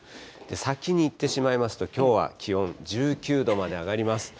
先に言ってしまいますと、きょうは気温、１９度まで上がります。